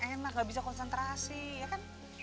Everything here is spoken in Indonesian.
enggak bisa konsentrasi ya kan